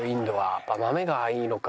やっぱ豆がいいのか。